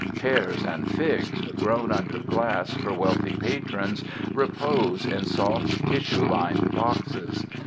Pears and figs, grown under glass for wealthy patrons, repose in soft tissue lined boxes.